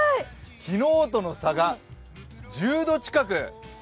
昨日との差が１０度近く。